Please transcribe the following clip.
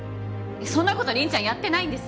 そんな事凛ちゃんやってないんです。